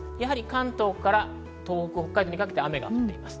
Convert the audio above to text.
関東から東北、北海道にかけて雨が降っています。